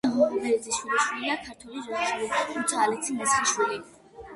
ნუცა ღოღობერიძის შვილიშვილია ქართველი რეჟისორი ნუცა ალექსი-მესხიშვილი.